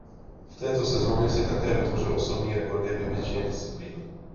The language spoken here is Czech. V této sezóně si také vytvořil osobní rekordy ve většině disciplín.